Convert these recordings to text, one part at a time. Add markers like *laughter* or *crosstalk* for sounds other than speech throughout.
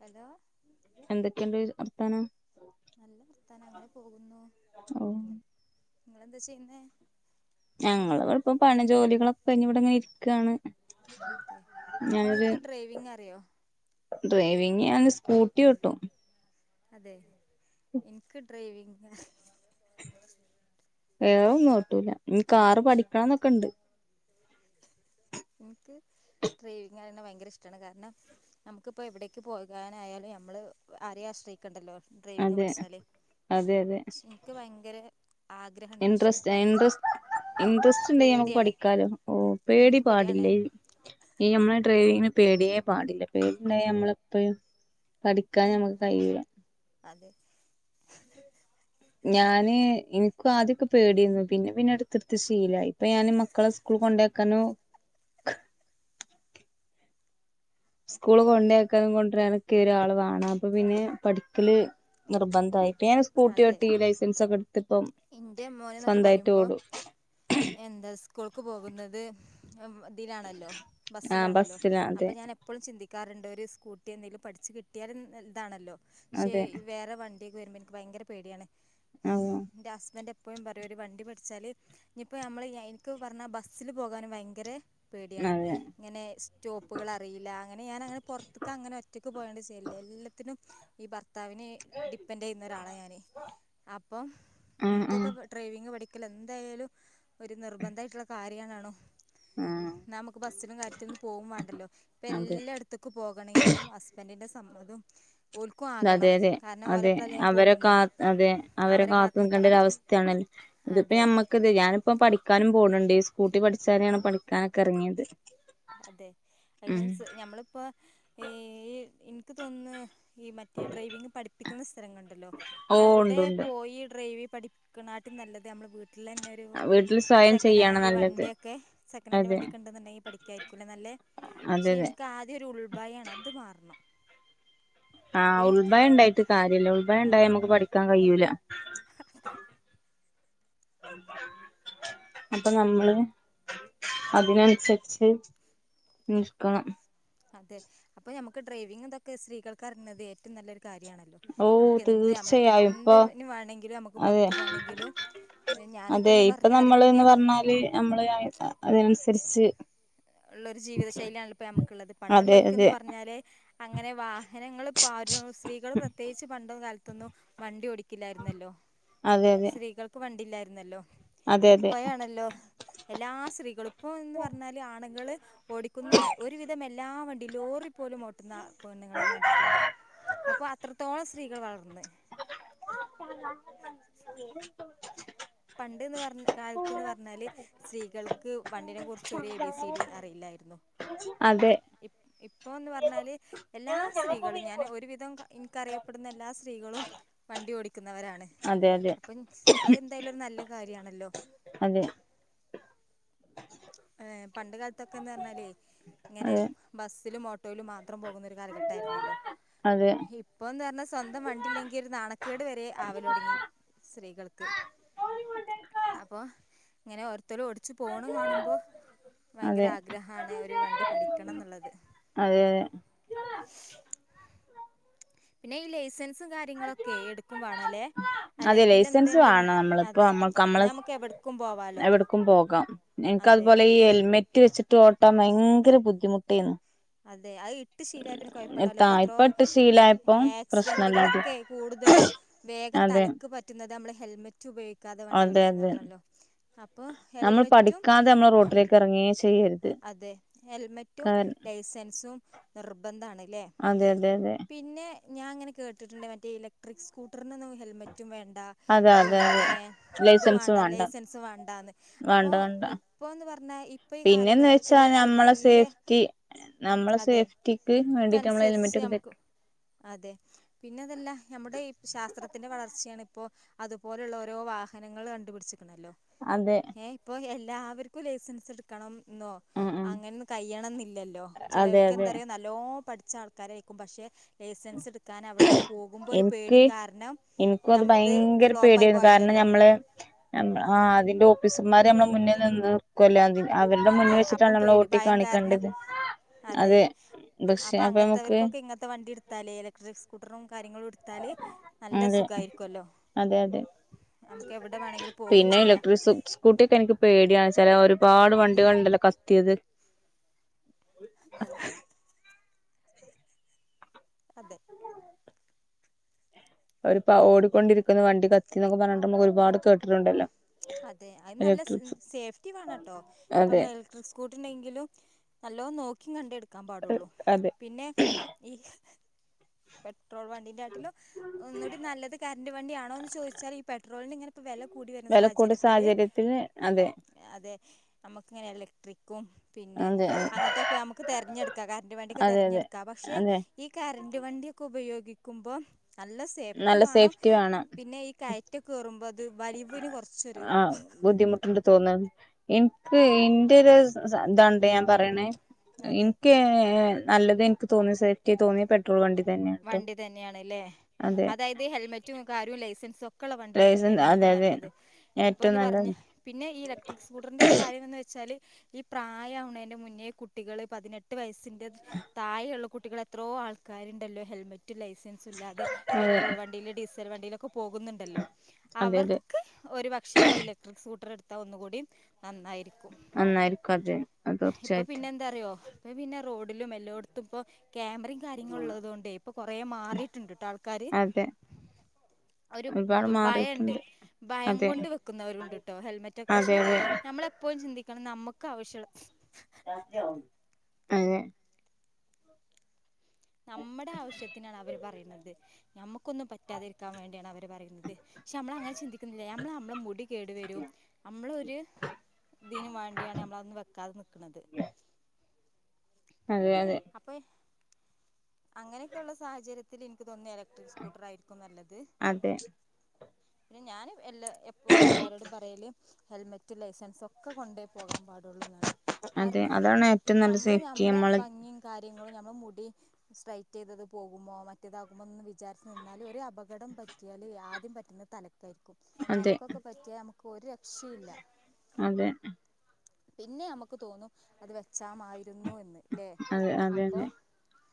Hello എന്തൊക്കെയുണ്ട് അർത്താനം? നല്ല വർത്താനം. അങ്ങനെ പോകുന്നു ഓ നിങ്ങെളെന്താ ചെയ്യുന്നേ? ഞങ്ങെള് ഇവെടെ ഇപ്പ പണി ജോലികളൊക്കെ കഴിഞ്ഞിവിടെയിങ്ങെനെ ഇരിക്കുകയാണ്. അതെ. നിങ്ങെക്ക് ഡ്രൈവിംഗ് അറിയോ? ഡ്രൈവിംഗ് ഞാൻ സ്കൂട്ടി ഓട്ടും. അതെ. എനിക്ക് ഡ്രൈവിങ് വേറൊന്നും ഓട്ടൂല്ല. ന് കാറ് പഠിക്കണന്നൊക്കെയൊണ്ട്. എനിക്ക് ഡ്രൈവിംഗാണ ഭയങ്കര ഇഷ്ട വാണ്. കാരണം. നമക്കിപ്പോ എവിടേക്ക് പോകാനായാലും നമ്മെള് ആരെയും ആശ്രയി ക്കെണ്ടല്ലോ ഡ്രൈവിങ് അതെ പഠിച്ചാല്. അതെ അതെ പക്ഷെ എനിക്ക് ഭയങ്കരേ. ഇൻട്രസ്റ്റാ ഇൻട്രസ്റ്റ് ഇൻട്രസ്റ്റ് ഉണ്ടേ നമ്ക്ക് പേടിയാണ് പഠിക്കാലോ. ഓ പേടി എനിക്ക് പേടിയാണ് പാടില്ലേ. ഈ നമ്മെളെ ഡ്രൈവിങ്ങിന് പേടിയേ പാടില്ല. പേടിണ്ടായി നമ്മളെപ്പഴും. പഠിക്കാൻ നമ്മെക്ക് കഴിയൂല. അതെ ഞാന് എനിക്കും ആദ്യൊക്കെ പേടയന്നു. പിന്നെ പിന്നെയെടുത്ത് എടുത്ത് ശീലായി. ഇപ്പ ഞാനിമോ. മക്കളെ സ്കൂളിൽ കൊണ്ടേക്കാനു. സ്കൂള് കൊണ്ടാക്കാനും കൊണ്ടരാനൊക്കെയെ ഒരാള് വേണം. അപ്പൊ പിന്നെ പഠിക്കെല്. നിർബന്ധമായിട്ട്. ഞാൻ അതെ സ്കൂട്ടിയോട്ടി ലൈസെൻസെക്കെ എടുത്തിപ്പം എൻ്റെ മോനെന്നൊക്കെ സ്വന്തമായിട്ട് പറയുമ്പോൾ ഓടും. എന്താ സ്കൂൾക്ക് പോകുന്നത് ഇതിലാണല്ലോ. ആ ബസ്സിലാണല്ലോ. ബസ്സില അതെ അപ്പോ ഞാൻ എപ്പ് പ്പളും ചിന്തിക്കാറുണ്ട് ഒരു സ്കൂട്ടി എന്തേലും പഠിച്ച് കിട്ടിയാല് ഇൻ ഇതാണല്ലോ. പക്ഷേ അതെ വേറെ വ ണ്ടിക്കെ വെരുമ്പം എനിക്ക് ഭയങ്കര പേടിയാണ്. ആ എന്റെ ഹസ്ബൻഡ്. എപ്പഴും പറയും ഒരു വണ്ടി പഠിച്ചാല്, ഇനിയിപ്പോ ഞമ്മെള് എനിക്ക് പറഞ്ഞാ ബസ്സില് പോകാനു ഭയങ്കര. പേടിയാണ്. അതെ ഇങ്ങെനെ സ് റ്റോപ്പുകൾ അറിയില്ല. അങ്ങനെ ഞാനയങ്ങനെ പൊറത്തേക്ക് അങ്ങനെ ഒറ്റയ്ക്ക് പോയോണ്ട് ചെയ്യല്. എല്ലാത്തിനും ഈ ബർ ത്താവിനെ ഡിപ്പെൻഡ് ചെയ്യുന്ന ഒരാളാ ഞാന്. അപ്പം ആ ആ ഇൻക്കൊക്കെ ഡ്രൈവി ങ് പഠിക്കെല് എന്തായാലും ഒരു നിർബന്ധയായിട്ടൊള്ള കാര്യന്നാണോ. ആ നമ്മെക്ക് ബസ്സിലും കാര്യത്തിലു ന്നും പോകും വേണ്ടല്ലോ. ഇപ്പ അതെ എല്ലാടു ത്തുക്ക് പോകണെങ്കിലും ഹസ്ബൻഡിന്റെ സമ്മതം ഓൽക്കും ആകണം. കാരണം ഓലേ. അവെരെ കാ അതെ. അവരെ കാത്തു കാത്ത് നിക്കണം നിക്കേണ്ടയൊരു അവസ്ഥയാണ്. ഇതിപ്പോ അതെ നമ്മ ക്ക് ത് ഞാനിപ്പ പഠിക്കാനും പോണ്‌ണ്ട് സ്കൂട്ടി പഠിച്ചാലെയാണ് പഠിക്കാനെക്കെ എറങ്ങിയത്. അതെ ഫൈനാൻസ്ഞമ്മളിപ്പോ ഈ എനിക്ക് തോന്നുന്നു ഈ മറ്റേ ഡ്രൈവിങ് പഠിപ്പിക്കുന്ന സ്ഥലങ്ങഉ ുണ്ടല്ലോ ഓ അവിടെ ഉണ്ട് ഉണ്ട് പോയി ഡ്രൈവി പഠി ക്ക്ണാട്ടിലും നല്ലത് നമ്മളെ വീട്ട ട്ടിൽ തന്നെ ഒരു വീട്ടിൽ സ്വയം സെക്കൻഡ് ചെയ്യാണ് ഹാൻഡ് നല്ലത് വണ്ടിൊക്കെ സെക്കൻ് ഹാൻഡ് അതെ വണ്ടിയൊക്ക ഉണ്ടുണ്ടെങ്കിപഠി ക്കായിരിക്കുംല്ലെ നല്ലെ അതെ പക്ഷെ അതെ ഇൻക്ക് ആദ്യം ഒരു ഉൾഭയാണ് അത് മാറണം ആഹ് അപ്പേ ഉൾഭയണ്ടായിട്ട് കാര്യല്ല ഉൾഭായ ണ്ടായ അതെ മമക്ക്പഠിക്ക ക്കാൻ കഴൂല അപ്പൊ നമ്മള് അതിനനുസരിച്ച് നിൽക്കണം അതെ അപ്പൊ നമുക്ക് ഡ്രൈവിംഗ്ങ് തൊക്കെ സ്ത്രീകൾക്ക് അറിണത് ഏറ്റവും നല്ലൊരു കാര്യമാണ് ഓ നമുക്ക് എന്ത് നമ്മളൊക്കെ തീർച്ചയായും ഇപ്പൊ എന്തിന് വേണങ്കിലും നമുക്ക് അതെ പുറത്ത് പോണെങ്കിലും അതെ ഇപ്പൊ നമ്മള്ന്ന് പറഞ്ഞാല് നമ്മള് അതിനനുസരിച്ച് ഉള്ള ഒരു ജീവിത ശൈലിയാാണല്ലൊപ്പോ നമമക്കുള്ളത് അതെ പണ്ടുള്ളോൽക്കന്ന് അതെ പറഞ്ഞാല് അങ്ങനെ വാ ഹനങ്ങൾപ്പോ ആരും സ്ത്രീകൾ പ്രത്യേകിച്ച് പണ്ടൊ കാലത്തൊന്നും വണ്ടി ഓടിക്കില്ലായിരുന്നല്ലോ അതെ സ്ത്രീകൾക്ക് വണ്ടില്ലായിരുന്നല്ലോ അതെ ഇപ്പോഴ ണല്ലോ എല്ലാ സ്ത്രീകളും ഇപ്പംന്ന് പറഞ്ഞാല് ആണുങ്ങള് ഓടിക്കുന്ന ഒരുവിധം എല്ലാ വണ്ടി ലോറി പോലും ഓട്ടുന്ന പെണ് ങ്ങളെ ഞാൻ കണ്ടിട്ടുണ്ട് അപ്പൊ അത്രത്തോളം സ്ത്രീകൾ വളർന്ന് *unintelligible* പണ്ട്ന്ന് പറഞ്ഞ കാലത്ത്ന്ന് പറഞ്ഞാല് സ്ത്രീകൾക്ക് വണ്ടിനെ കുറച്ച് ഒരു എ ബി സി ഡി അറിയില്ലായിരുന്നു അതെ ഇ ഇപ്പോ എന്ന് പറഞ്ഞാല് എല്ലാ സ്ത്രീകളും ഞാൻ ഒരുവിധം എനിക്കറിയപ്പെടുന്ന എല്ലാ സ്ത്രീകളും വണ്ടി ഓടിക്കുന്നവരാണ് അതെ അപ്പം അത് എന്തായാലും ഒരു നല്ല കാര്യമാണല്ലോ അതെ ഏ് പണ്ട് കാലത്തൊക്കെന്ന് പറഞ്ഞാല് ഇങ്ങനെ അതെ അതെ ബസ്സിലും ഓട്ടോയിലും മാത്രം പോകുന്ന രു കാലഘട്ടായിരുന്നല്ലോ അതെ അതെ ഇപ്പന്ന് പറഞ്ഞാൽ സ്വന്തം വണ്ടില്ലെങ്കിൽ ഒരു നാണക്കേട് വരെ ആവല തുടങ്ങി സ്ത്രീകൾക്ക് അപ്പൊ ഇങ്ങനെ ഓര്ത്തരും ഓടിച്ചു കാണുമ്പോ ഭയങ്കര അതെ ആഗ്രഹമാണ് ഒരു വണ്ടി പഠിക്കണം ന്നുള്ളത് ഏ പിന്നെ ഈ ലൈസൻസ് *unintelligible* കാര്യങ്ങളൊക്കെ എടുക്കും വേണല്ലെ അതെ അല്ലെങ്കില് എന്ത് ലൈസൻസ് കണ്ട്ന്നാ വേണം നമ്മളിപ്പോ അതെ നമ്മക്ക് ഇന്നാ നമ്മളെ നമ്മക്ക് എവട് എവിടക്കും പോകാം എൻക്ക് അതെ അതുപോലെ ഈ ഹെൽമെറ്റ് ട്ടി വെച്ചിട്ട് ഓട്ടാൻ ഭയങ്കര ബുദ്ധിമുട്ടേയിന്നു അതെ അത് ഇട്ട് ശീലായ പിന്നെ കൊഴപ്പണ്ടാവൂല്ലാ ട്ടാ ഇപ്പ എത്രോ ഇപ്പട്ട് ശീലായപ്പോ പ്രശ്നല്ലാതെ ആക്സിഡന്റുകളൊക്കെ കൂടുതലും വേഗം അതെ തലക്ക് പറ്റുന്നത് നമ്മള് ഹെൽമെറ്റ് റ്റ് ഉപയോഗിക്കാതെ വണ്ടി അതെ അതെ ഓടിക്കുന്നതാണല്ലോ അപ്പൊ നമ്മൾ ഹെൽമെറ്റും പഠിക്കാതെ റോട്ടിലേക്ക് എറങ്ങെ ചെയ്യര് ആഹ് അതെ ഹെൽമെറ്റും ലൈസൻസും നിർബന്ധാണ്ല്ലേ അതെ അതെ ഞാൻ ഇങ്ങനെ കേട്ട്ണ്ട് മറ്റേ ഇലക്ട്രിക് സ്കൂട്ടറിനൊന്നും ഹെൽമെറ്റും വേണ്ടാ അതെ അതെ അതെ ഇതും ലൈസൻസ് വേണ്ടാ വേണ്ട ലൈസൻസും വേണ്ടാന്ന് അപ്പൊ വേണ്ട വേണ്ട ഇപ്പോന്ന് പറഞ്ഞാ പിന്നെന്ന് വെച്ചാ നമ്മളെ സേഫ്റ്റി നമ്മളെ സേഫ്റ്റിക്ക് വേണ്ടിട്ട് നമ്മള് ത്തൻസരിച്ച് ഹെൽമെറ്റ് ഒക്കെ ധരി ഞമ്മക്ക് അതെ പിന്നെ അതല്ല ഞമ്മടെ ഈ ശാസ്ത്രത്തിന്റെ വളർച്ചയാണ് ഇപ്പോ അതുപോലെയുള്ള ഓരോ വാഹനങ്ങള് കണ്ടുപിടിച്ചിക്കണല്ലോ അതെ ഏഹ് ഇപ്പോ എല്ലാവര്ക്കും ലൈസൻസ് എടുക്കണം ഇന്നോ ഉം ഉം അങ്ങനൊന്നും കയ്യണന്നില്ലല്ലോ അതെ ചെലർക്ക് എന്താ അതെ പറയാ നല്ലോ പഠിച്ച ആൾക്കാരായിക്കും പക്ഷെ ലൈസൻസ് എടുക്കാൻ അവിടക്ക് പോകുമ്പോ ഒരു എനിക്ക് പേടിയും കാരണം എനിക്കും അത് ഞമ്മളത് ഭയങ്കര ഫ്ലോപ്പ് ആയി പേടിയായിരുന്നു കാരണം പോവല്ണ്ടല്ലോ ഞമ്മള് ആഹ് അതിന്റെ ഓഫീസർമാര് ഞമ്മളെ മുന്നിൽ നിന്ന് നിക്കുവല്ലോ *unintelligible* അവരുടെ മുന്നി അതെ അപ്പം വെച്ചിട്ടാണ് നമ്മള് പേടി ഓട്ടി ഭയം കാരണം കാണിക്കേണ്ടത് അതെ പക്ഷെ അപ്പൊ നമുക്ക് അങ്ങത്തെവർക്കൊക്കെ ഇങ്ങനത്തെ വണ്ടി എടുത്താലേ ലൈ ക്സ് സ്കൂട്ടറും കാര്യങ്ങളും എടുത്താല് നല്ല അതെ സുഖമായിരിക്കുവല്ലോ അതെ അതെ നമുക്ക് എവിടെ വേണെങ്കിലും പോകും പിന്നെ ചെയ്യാ ഇലക്ട്രിക് സ്കൂട്ടി എനിക്ക് പേടിയാന്ന് വെച്ചാല് ഒരുപാട് വണ്ടികൾണ്ടല്ലോ കത്തിയത് അ *inaudible* അതെ ഒരു പ ഓടിക്കൊണ്ടിരിക്കുന്ന വണ്ടി കത്തിന്നൊക്കെ പറഞ്ഞിട്ട് ഇമ്മക്ക് ഒരുപാട് കേട്ടിട്ടുണ്ടല്ലോ അതെ അയിന് നല്ല സ് ഇലക്ട്രിക് സേഫ്റ്റി വേണട്ടോ അതെ ഇപ്പമ്മള് എൽ ഡ്രെസ്സ് കോട്ട്ണ്ടെങ്കിലും നല്ലോ നോക്കി കണ്ടെ എടുക്കാൻ പാടുള്ളൂ അതെ പിന്നെ ഏഹ് പെട്രോൾ വണ്ടിൻ്റെ കാട്ടിലും ഒന്നൂടി നല്ലത് കറന്റ് വണ്ടിയാണോന്ന് ചോദിച്ചാല് ഈ പെട്രോളിന്റെ ഇങ്ങനെ ഇപ്പ വെല കൂടി വരുന്ന വില കൂടിയ സാഹചര്യത്തില് സാഹചര്യത്തിൽ അതെ അതെ നമ്മക്കിങ്ങനെ എലക്ട്രിക്കും പിന്നെ അതെ അങ്ങൻത്തൊക്കെ ഞമ്മക്ക് തെരഞ്ഞെടുക്കാം കറന്റ് വണ്ടിയൊക്കെ അതെ അതെ തെരഞ്ഞെടുക്കാം പക്ഷെ അതെ ഈ കറണ്ട് വണ്ടിയൊക്കെ ഉപയോഗിക്കുമ്പോ നല്ല സേഫ്റ്റി നല്ല വേണം സേഫ്റ്റി പിന്നെ ഈ കയറ്റ് കേറുമ്പോ ഇത് വലിവിന് കൊറച്ചൊരു ബുദ്ധിമുട്ട്ണ്ട് തോന്നാണ് എനിക്ക് ഇന്റെ ഒരു സ് സ ഇതാണ്ട്ടാ ഞാൻ പറയണെ അതെ ഇൻക്ക് ഏഹ് എഹ് നല്ലത് ഇൻക്ക് തോന്നിയസാ *unintelligible* തോന്നിയ പെട്രോൾ വണ്ടി തന്നെയാട്ടോ വണ്ടി തന്നെയാണ്ല്ലേ അതെ അതായത് ഹെൽമെറ്റും കാര്യവും ലൈസൻസും ഒക്കെ ഇള്ള വണ്ടിയെടുക്കുന്ന ലൈസൻസ് തന്നെ അതെ ആയിരിക്കും അതെ നല്ലത് ഏറ്റവും ഇപ്പൊന്ന് പറഞ്ഞാ നല്ലത് പിന്നെ ഈ ഇലക്ട്രിക് സ്കൂട്ടറിൻ്റെ ഒരു കാര്യാണ്ന്ന് വെച്ചാല് ഈ പ്രായാവണേന്റെ മുന്നേ കുട്ടികള് പതിനെട്ട് വയസ്സി ൻ്റെക്കെ തായെള്ള കുട്ടികൾ എത്രോ ആൾക്കാരുണ്ടല്ലോ ഹെൽമെറ്റ് ലൈസൻസ് ഇല്ലതെ അതെ പെട്രോൾ വണ്ടിയും ഡീസൽ വണ്ടിയിലും പോകുന്നുണ്ടല്ലോ അതെ അതെ അവർക്ക് ഒരു പക്ഷേല ഇലക്ട്രിക് സ്കൂട്ടർ എടുത്തൽ ഒന്നുകൂടി നന്നായിരിക്കും നന്നായിരിക്കും അതെ തീർച്ചയായിട്ടും എന്തറിയോ ഇപ്പൊ പിന്നെ റോഡിലും എല്ലോടത്തും ഇപ്പൊ ക്യാമറയും കാര്യങ്ങള ഉള്ളത് കൊണ്ടേ ഇപ്പൊ കൊറ മാറിട്ടുണ്ട് കേട്ടോ ആൾക്കാര് അതെ ഒരു ഒരുപാട് ഭയം ഉണ്ട് മാറിയിട്ടുണ്ട് ഭയം അതെ കൊണ്ട് വെക്കുന്നവരുണ്ട് കേട്ടോ ഹെൽമെറ്റൊക്കെ അതെ പക്ഷെ അതെ നമ്മളെ എപ്പോഴും ചിന്തിക്കണം നമുക്ക് ആവശ്യണം അതെ നമ്മുടെ ആവശ്യത്തിനാണ് അവർ പറയുന്നത് നമുക്കൊന്നും പറ്റാതിരിക്കാൻ വേണ്ടിയാണ് അവർ പറയുന്നത് പക്ഷെ നമ്മള അങ്ങനെ ചിന്തിക്കുന്നില്ല നമ്മള് നമ്മള മുടി കേടു വരും നമ്മളൊരു ഇതിന് വേണ്ടിയാണ് നമ്മളത് വെക്കാതെ നിൽക്കുന്നത് അതെ അതെ അപ്പൾ അങ്ങനെയൊക്കെയ ഉള്ള സാഹചര്യത്തിൽ എനിക്ക് തോന്നുന്നു എലക്ട്രിക് സ്കൂട്ടർ ആയിരിക്കും നല്ലത് അതെ പിന്നെ ഞാൻ എല്ലാ എപ്പോഴും എല്ലാരോടും പറയല് ഹെൽമെറ്റ് ലൈസൻസ് ഒക്കെ കൊണ്ട പോകാൻ പാടുള്ളൂ എന്നാണ് അതെ കാരണം അതാണ് ഏറ്റവും നല്ല നമ്മള് സേഫ്റ്റി നമ്മളെ നമ്മള് ഭംഗിയും കാര്യങ്ങളും നമ്മള് മുടി സ്ട്രൈറ്റ് ചെയ്തത് പോകുമോ മറ്റേതാകുമ്പോ എന്ന് വിചാരിച്ച് നിന്നാൽ ഒരു അപകടം പറ്റിയാല് ആദ്യം പറ്റുന്നത് തലക്ക ആായിരിക്കും അതെ തലക്കൊക്കെ പറ്റിയാൽ നമുക്ക് ഒരു രക്ഷയില്ല അതെ പിന്നെ നമക്ക് തോന്നും അത് വെച്ചാമായിരുന്നു എന്ന്ല്ലേ അതെ അതെ അപ്പൊ അതെ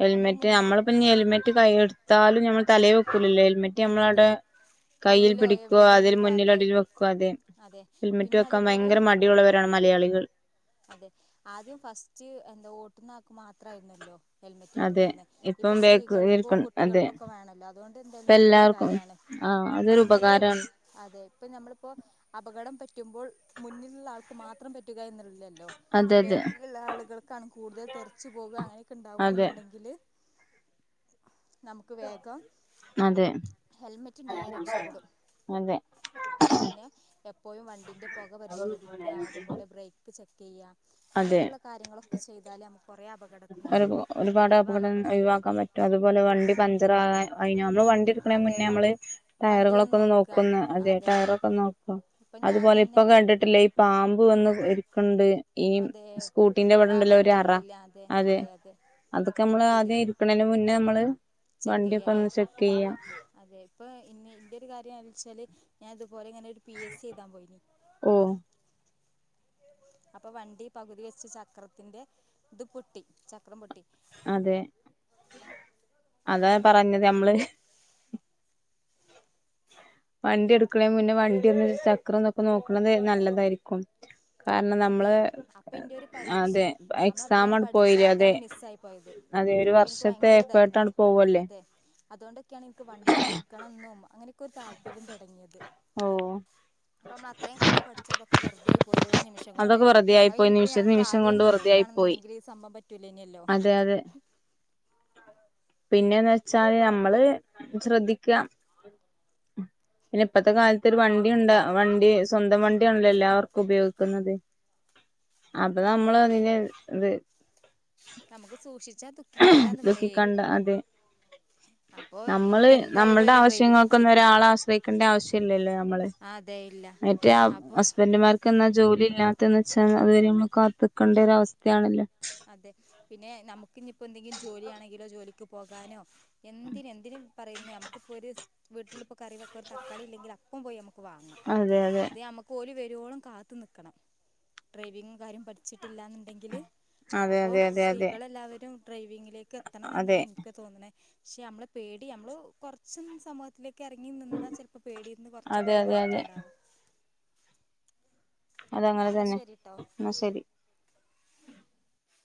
ഹെൽമെറ്റ് നമ്മളിപ്പ ഇനി ഹെൽമെറ്റ് കൈ എടുത്താലും നമ്മൾ തലേ വെക്കൂ ലല്ലോ ഹെൽമെറ്റ് അതെ നമ്മളവിടെ കയ്യിൽ കയ്യിലോ പിടിക്കു കോ എവിടെയെങ്കിലും അതിൽ വെക്കും അതെ മുന്നിലടിൽ വെക്കാതെ അതെ ഹെൽമെറ്റ് പിന്നെ വെക്കാൻ അതുപോലെ ഭയങ്കര മടി ടിള്ളവരാണ് മലയാളികൾ അതെ ആദ്യം ഫസ്റ്റ് എന്താ ഓട്ടുന്ന ആക്ക് മാത്രമായിരുന്നല്ലോ ഹെൽമെറ്റ് അതെ പറഞ്ഞിരുന്ന ഇപ്പം ബേക്ക് സ്ത്രീകൾക്കും ഇരിക്കും അതെ കുട്ടികൾക്കു ഒക്കെ വേണമല്ലോ അതുകൊണ്ട് എന്തായാലും നല്ലൊരു കാര്യമാണ് ആഹ അതൊരു കാരണം ഒരു ഉപകാരമാണ് അതെ ഇപ്പ നമ്മളിപ്പോ അപകടം പറ്റുമ്പോൾ മുന്നിലുള്ള ആൾക്ക് മാത്രം പറ്റുക എന്നുള്ളില്ലല്ലോ അതെ അതെ ബേക്കിലുള്ള ആളുകൾക്കാണ് കൂടുതൽ തെറിച്ചു പോവുക അങ്ങനെ അതെ ഉണ്ടാവവാണെന്നുണ്ടെങ്കില് നമുക്ക് വേഗം അതെ ഹെൽമെറ്റ് ഉണ്ടായാ രക്ഷപ്പെടും അതെ പിന്നെ എപ്പോഴും വണ്ടിന്റെ പുക പരിശോധിക്കുക അതുപോലെ ബ്രേക്ക് ചെക്ക് ചെയ്യാം അതെ അങ്ങനത്തെുള്ള കാര്യങ്ങളൊക്കെ ചെയ്താൽ നമുക്ക് കുറെ അപകടങ്ങൾ ഒരു ഒരുപാട് അപകടം ഒഴിവാക്കാൻ പറ്റും അതുപോലെ വണ്ടി പഞ്ചർ ആകാൻ അഴിഞ്ഞ് വണ്ടി വണ്ടി അതെ എടുക്കണമുന്നേ നമ്മള് ടയറുകളൊക്ക വണ്ടിയൊന്ന് ഒന്ന് നോക്കുക നോക്കുന്നു അതേ അതെ ടയറൊക്കെ നോ ഇപ്പം ഞാൻ അതുപോലെ ഇപ്പൊ തന്നെ കണ്ടിട്ടില്ലേ ഈ പാമ്പ് വന്ന് ഇരിക്കണ്ട് ഈ അതെ സ്കൂട്ടിന്റെ ഇവിടെ ഉണ്ടല്ലോ ഒരു അറ അതെ അതൊക്കെ നമ്മള് ഡിക്കിയിൽ ആദ്യം ഇരിക്കണതിന് മുന്നേ നമ്മള് ചെക്ക് വണ്ടിയൊപ്പ ചെയ്യല്ലേ ഇന്ന് ചെക്ക് ചെയ്യാ ആ അതെ ഇപ്പം ഇനി ഇൻ്റെ ഒരു കാര്യംണന്ന് വെച്ചാല് ഞാൻ ഇതുപോലെ ഇങ്ങനെ ഒരു പി എസ് സി എഴുതാൻ പോയിനി ഓ അപ്പൊ വണ്ടി പകുതി വെച്ച് ചക്രത്തിന്റെ ഇത് പൊട്ടി ചക്രം പൊട്ടി അതെ അതാ പറഞ്ഞത് നമ്മള് വണ്ടി എടുക്കണേ മുന്നേ വണ്ടി ഒന്ന് ചക്രംന്നൊക്കെ നോക്കണത് നല്ലതായിരിക്കും. കാരണം അതെ നമ്മള് അപ്പൊ എന്റെ ഒരു പരീക്ഷ അതെ നമ്മൾ എക്സാം അത്രയും ആണ്ട് പഠിച്ച പോയിലേ അതെ അതാണ് മിസ്സായി പോയത് ഉം അതെ ഒരു അപ്പൊ എനിക്ക് വർഷത്തെ ഭയങ്കര ഇതായിരുന്നു എഫേർട്ടാണ്ട് പോവല്ലേ. അതെ അതുകൊണ്ടൊക്കെയാണ് ഇൻക്ക് വണ്ടി പഠിക്കണം ന്നും അങ്ങനെക്കെ ഒരു താല്പര്യം തൊടങ്ങിയത്. അപ്പ നമ്മൾ അത്രേം കാലം പഠിച്ചതൊക്കെ വെറുതയായി പോയില്ലേ ഒരു നിമിഷം കൊണ്ട് അതൊക്കെ വെറുതെയായി അഹ് പോയി ഇഞ്ഞിപ്പം നിമിഷ ഞങ്ങൾക്ക് നിമിഷം ആദ്യേ കൊണ്ട് വെറുതെയായി പോയി നോക്കിക്കാണുന്ന്ണ്ടെങ്കി ഈ സംഭവം പറ്റൂലേനല്ലോ. അതെ അതെ പിന്നെന്ന് വെച്ചാല് നമ്മള് ശ്രദ്ധിക്കാ. പിന്നെ ഇപ്പത്തെ കാലത്ത് ഒരു വണ്ടിണ്ട വണ്ടി സ്വന്തം വണ്ടിയാണല്ലോ എല്ലാവർക്കും ഉപയോഗിക്കുന്നത്. അപ്പൊ നമ്മള് അതന്നെ അതിന് ഇത് നമുക്ക് സൂക്ഷിച്ചാ ദുഃഖിക്കേണ്ടാന്ന് പറയേ. ദുഃഖിക്കണ്ട അതെ അപ്പോ നമ്മള് എനിക്ക് എന്തായാലും നമ്മളുടെ ഒരു ഡ്രൈവിങ് ആവശ്യങ്ങൾക്കൊന്നും പഠിക്കണം ഒരാള ആശ്രയിക്കേണ്ട ആവശ്യം ഇല്ലല്ലോ നമ്മള്. ആ അതെ ഇല്ല മറ്റേ ആം അപ്പൊ ഹസ്ബൻഡമാർ ക്കന്നാ ജോലില്ലാത്തന്ന് വെച്ചാ അതുവരെ നമ്മ കാത്ത്ക്കേണ്ട ഒര അവസ്ഥയാണല്ലോ. അതെ പിന്നെ നമുക്ക് ഇഞ്ഞിപ്പം എന്തെങ്കി ജോലിയാണെങ്കിലോ ജോലിക്ക് പോകാനോ എന്തിന് എന്തിനും പറയുന്ന നമുക്കിപ്പോ ഒരു വീട്ടിലിപ്പോ കറി വെക്ക ഒരു തക്കാളി ഇല്ലെങ്കില ഇപ്പം പോയി നമുക്ക് വങ്ങാം അതെ അതെ ഇതേ നമ ക്കോല് വരോളം കാത്ത് നിക്കണം ഡ്രൈവിംഗും കാര്യം പഠിച്ചിട്ടില്ലാന്ന്ണ്ടെങ്കിൽ അതെ അപ്പോ അതെ അതെ സ്ത്രീകള എല്ലാവരും ഡ്രൈവിങ്ങിലേക്ക് എത്തണം അതെ അതെ എന്നാണ് ഇൻക്ക് തോന്ന്ണേ. പക്ഷെ നമ്മളെ പേടി നമ്മള് കൊർച്ചും സമ തിലേക്ക് എറങ്ങി നിന്നാ ചെൽപ്പം പേടീന്ന് കൊർച്ചൊക്കെ അതെ ഒരു അതെ അതെ മാറ്റണ്ടാവും. അതങ്ങനെ എന്നാൽ തന്നെ ശരി കേട്ടോ ന്നാ ശരി.